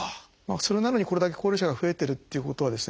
それなのにこれだけ高齢者が増えてるっていうことはですね